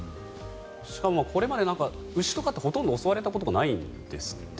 しかもこれまで牛とかってほとんど襲われたことがないんですって。